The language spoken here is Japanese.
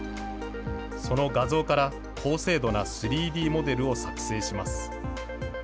その画像から高精度な３Ｄモデルを作成します。